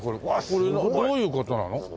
これどういう事なの？